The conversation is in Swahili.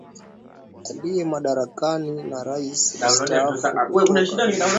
aliye madarakani na Rais Mstaafu kutoka vyama